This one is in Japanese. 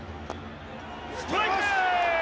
ストライク！